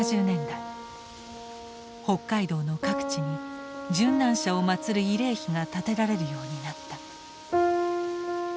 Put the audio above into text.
北海道の各地に殉難者を祀る慰霊碑が建てられるようになった。